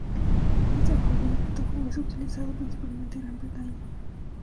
Este alfabeto es utilizado principalmente en Gran Bretaña.